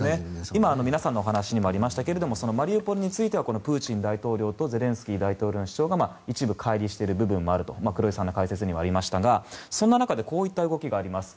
今、皆さんのお話にもありましたがマリウポリについてはプーチン大統領とゼレンスキー大統領の主張が一部かい離している部分もあると黒井さんの解説にもありましたがそんな中こういう動きがあります。